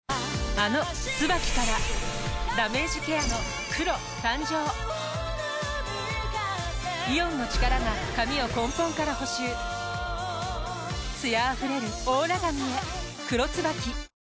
あの「ＴＳＵＢＡＫＩ」からダメージケアの黒誕生イオンの力が髪を根本から補修艶あふれるオーラ髪へ「黒ＴＳＵＢＡＫＩ」